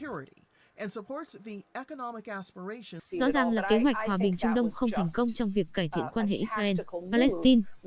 rõ ràng là kế hoạch hòa bình trung đông không thành công trong việc cải thiện quan hệ israel palestine